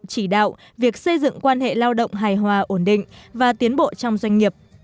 chỉ đạo việc xây dựng quan hệ lao động hài hòa ổn định và tiến bộ trong doanh nghiệp